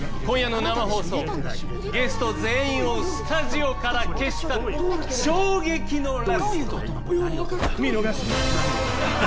今夜の生放送ゲスト全員をスタジオから消し去る衝撃のラスト見逃すな！